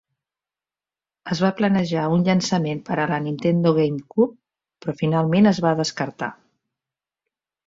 Es va planejar un llançament per a la Nintendo GameCube, però finalment es va descartar.